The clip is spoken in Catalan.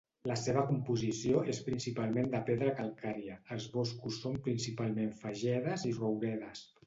La seva composició és principalment de pedra calcària; els boscos són principalment fagedes i rouredes.